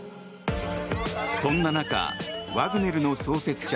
そんな中、ワグネルの創設者